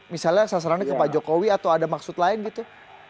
misalnya sasarannya ke pak jokowi atau ada maksud lain gitu